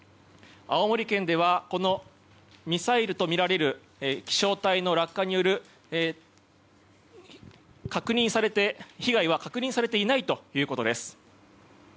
青森県ではこのミサイルとみられる飛翔体の落下による被害は確認されていないということです。